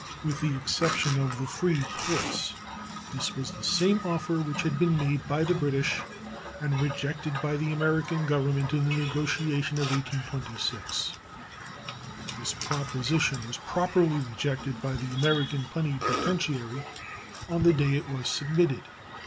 With the exception of the free ports, this was the same offer which had been made by the British and rejected by the American Government in the negotiation of 1826. This proposition was properly rejected by the American plenipotentiary on the day it was submitted.